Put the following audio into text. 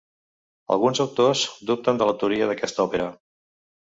Alguns autors dubten de l'autoria d'aquesta òpera.